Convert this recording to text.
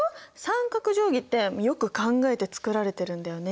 三角定規ってよく考えて作られてるんだよね。